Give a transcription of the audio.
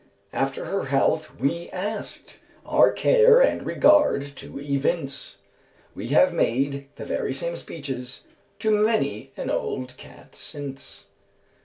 After her health we asked, Our care and regard to evince; (We have made the very same speeches To many an old cat since)."